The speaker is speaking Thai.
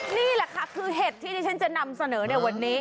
นี่แหละค่ะคือเห็ดที่ที่ฉันจะนำเสนอในวันนี้